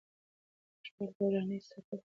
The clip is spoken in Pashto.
موږ باید له رواني پلوه د داسې خبرونو مقابله وکړو.